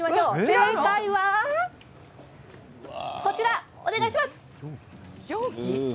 正解はこちら、お願いします。